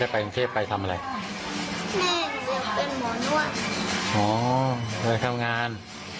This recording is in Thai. อ๋อจะไปทำงาน